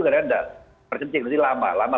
kadang kadang berkencing nanti lama lama